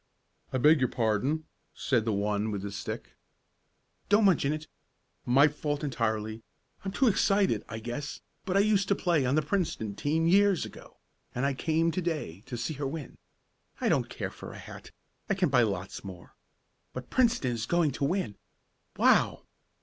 "I beg your pardon," said the one with the stick. "Don't mention it! My fault entirely I'm too excited, I guess, but I used to play on the Princeton team years ago, and I came to day to see her win. I don't care for a hat I can buy lots more. But Princeton is going to win! Wow!"